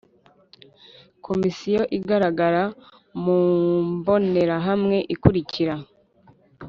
Komisiyo igaragara mu mbonerahamwe ikurikira